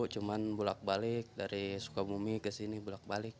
cuma bulat balik dari sukabumi ke sini bulak balik